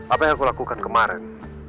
apa yang aku lakukan kemarin